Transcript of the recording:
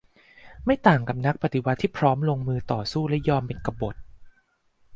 ไม่ต่างกับนักปฏิวัติที่พร้อมลงมือต่อสู้และยอมเป็นกบฏ